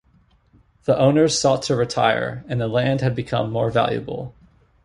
The owners sought to retire, and the land had become more valuable.